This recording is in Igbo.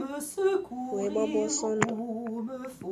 wee gbaba ọsọ ndụ.